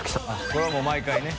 これはもう毎回ね。